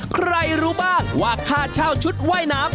ใครรู้บ้างว่าค่าเช่าชุดว่ายน้ำ